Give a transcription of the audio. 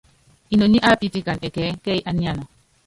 Inoní á pítikan ɛkɛɛ́ kɛ́y á niana.